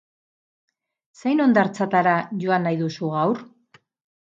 Zein hondartzatara joan nahi duzu gaur?